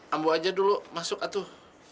ambu aja dulu masuk atuh